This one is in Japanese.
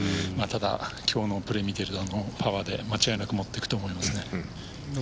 ただ、今日のプレーを見ているとパワーで間違いなく持っていくと思いますね。